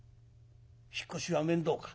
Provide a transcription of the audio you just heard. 引っ越しは面倒か？